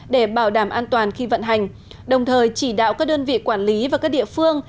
để bảo đảm an toàn khi vận hành đồng thời chỉ đạo các đơn vị quản lý và các địa phương